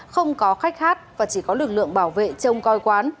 không có khách khác và chỉ có lực lượng bảo vệ trong coi quán